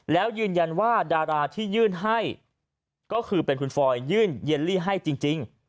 แล้วยืนยันว่าดาราที่ยื่นให้ก็คือเป็นคุณฟอยยื่นเยลลี่ให้จริง